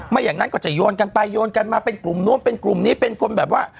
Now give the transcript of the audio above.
อย่างนั้นก็จะโยนกันไปโยนกันมาเป็นกลุ่มนู้นเป็นกลุ่มนี้เป็นคนแบบว่า